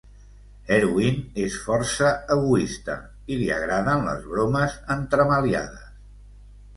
Erwin es força egoista, i li agraden les bromes entremaliades.